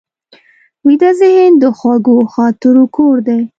ویده ذهن د خوږو خاطرو کور دی